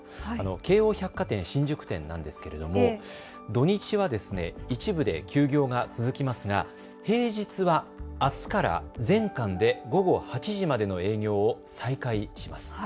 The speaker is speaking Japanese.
京王百貨店新宿店なんですけれども土日は一部で休業が続きますが平日は、あすから全館で午後８時までの営業を再開します。